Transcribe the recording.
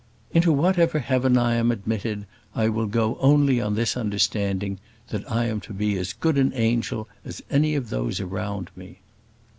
"Into whatever heaven I am admitted, I will go only on this understanding: that I am to be as good an angel as any of those around me."